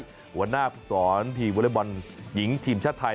หัวหน้าภูมิสอนทีมวอเล็กบอลหญิงทีมชาติไทย